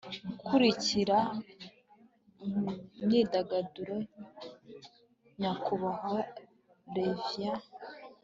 gukurikira mu myidagaduro nyakubahwa reverie